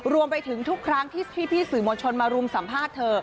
รวมไปถึงทุกครั้งที่พี่สื่อมวลชนมารุมสัมภาษณ์เธอ